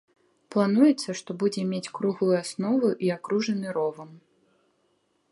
Плануецца, што будзе мець круглую аснову і акружаны ровам.